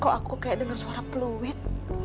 kok aku kayak dengar suara fluid